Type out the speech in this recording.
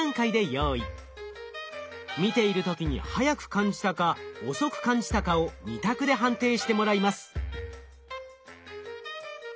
見ている時に速く感じたか遅く感じたかを２択で判定してもらいます。